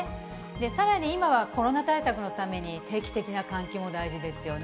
さらに、今はコロナ対策のために定期的な換気も大事ですよね。